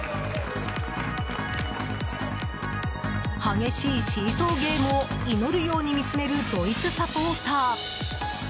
激しいシーソーゲームを祈るように見つめるドイツサポーター。